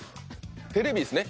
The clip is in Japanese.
テレビですね。